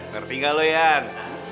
ngerti enggak lo yan